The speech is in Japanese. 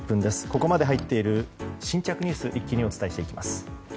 ここまで入っている新着ニュース一気にお伝えしていきます。